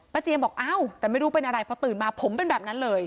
เจียมบอกอ้าวแต่ไม่รู้เป็นอะไรพอตื่นมาผมเป็นแบบนั้นเลย